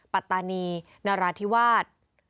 ปัตตานีนราธิวาส